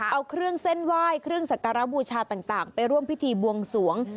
เอาเครื่องเส้นไหว้เครื่องสักการะบูชาต่างไปร่วมพิธีบวงสวง